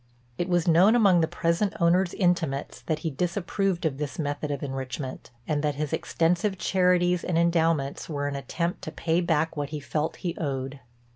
It was known among the present owner's intimates that he disapproved of this method of enrichment, and that his extensive charities and endowments were an attempt to pay back what he felt he owed.